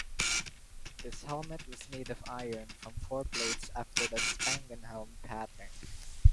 This helmet was made of iron from four plates after the spangenhelm pattern.